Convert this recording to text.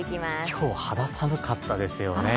今日、肌寒かったですよね。